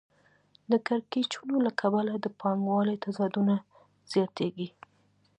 د کړکېچونو له کبله د پانګوالۍ تضادونه زیاتېږي